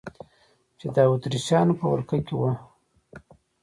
چې د اتریشیانو په ولقه کې وه.